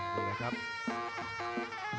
ฮีวอร์เป็นฮีวอร์เป็นฮีวอร์